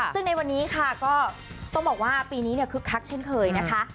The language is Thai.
ซึ่งในวันนี้ค่ะก็ต้องบอกว่าปีนี้เนี่ยคึกคักเช่นเคยนะคะ